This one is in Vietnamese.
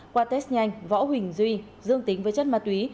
qua test nhanh võ huỳnh duy dương tính với chất ma túy